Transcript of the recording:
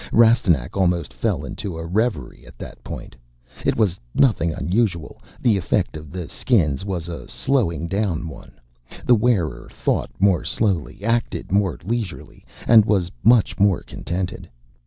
Rastignac almost fell into a reverie at that point. It was nothing unusual. The effect of the Skins was a slowing down one. The wearer thought more slowly, acted more leisurely, and was much more contented.